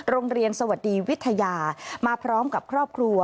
โรงเรียนสวัสดีวิทยามาพร้อมกับครอบครัว